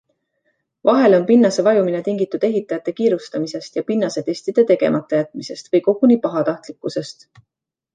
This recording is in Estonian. Vahel on pinnase vajumine tingitud ehitajate kiirustamisest ja pinnasetestide tegemata jätmisest või koguni pahatahtlikkusest.